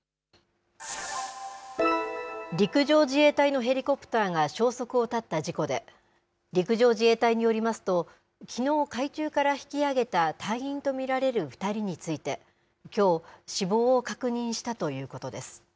陸上自衛隊のヘリコプターが消息を絶った事故で、陸上自衛隊によりますと、きのう、海中から引き揚げた隊員と見られる２人について、きょう、死亡を確認したということです。